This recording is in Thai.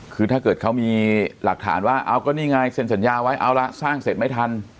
คือถ้าเกิดเขามีหลักฐานว่าเอาก็นี่ไงเซ็นสัญญาไว้เอาละสร้างเสร็จไม่ทัน